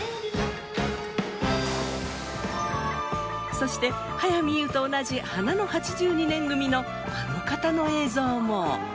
そして早見優と同じ花の８２年組のあの方の映像も。